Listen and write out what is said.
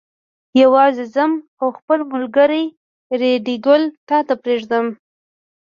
یوازې ځم او خپل ملګری ریډي ګل تا ته پرېږدم.